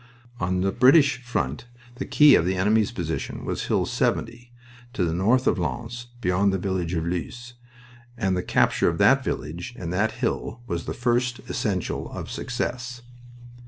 On the British front the key of the enemy's position was Hill 70, to the north of Lens, beyond the village of Loos, and the capture of that village and that hill was the first essential of success.